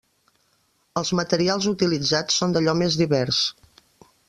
Els materials utilitzats són d'allò més divers.